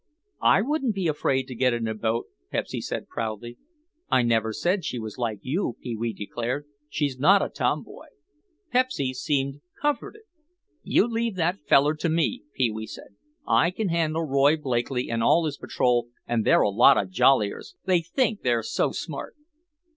"I wouldn't be afraid to get in a boat," Pepsy said proudly. "I never said she was like you," Pee wee declared. "She's not a tomboy." Pepsy seemed comforted. "You leave that feller to me," Pee wee said. "I can handle Roy Blakeley and all his patrol and they're a lot of jolliers—they think they're so smart."